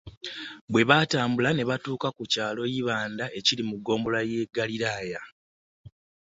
Bwe baatambula ne batuuka ku kyalo Yibanda ekiri mu ggombolola y’e Galiraaya.